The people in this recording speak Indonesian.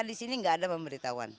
di sini nggak ada pemberitahuan